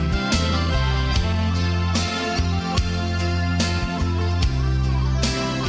kau biar aku mama yang baik